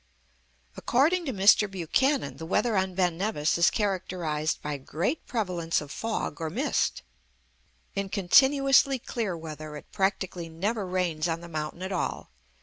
According to Mr. Buchanan, the weather on Ben Nevis is characterised by great prevalence of fog or mist. In continuously clear weather it practically never rains on the mountain at all.